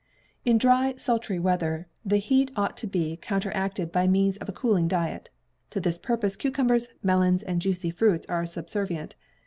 In dry, sultry weather the heat ought to be counteracted by means of a cooling diet. To this purpose cucumbers, melons, and juicy fruits are subservient.